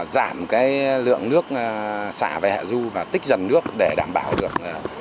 giảm cái lượng nước xả về hạ du và tích dần nước để đảm bảo được